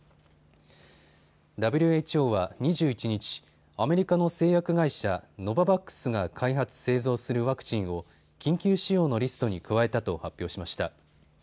ＷＨＯは２１日、アメリカの製薬会社、ノババックスが開発、製造するワクチンを緊急使用のリストに加えたと発表しました。